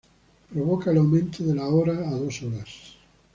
Provoca el aumento de la hora a dos horas.